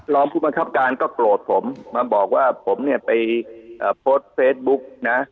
รองผู้บังคับการก็โกรธผมมาบอกว่าผมเนี่ยไปโพสต์เฟซบุ๊กนะ